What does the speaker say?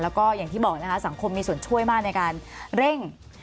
แล้วก็อย่างที่บอกนะคะสังคมมีส่วนช่วยมากในการเร่ง